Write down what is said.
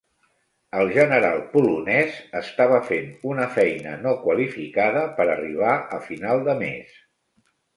El general polonès estava fent una feina no qualificada per arribar a final de mes.